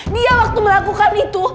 dia waktu melakukan itu